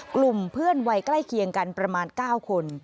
กลุ่มเพื่อนวัยใกล้เคียงกันประมาณ๙คน